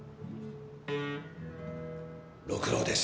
六郎です。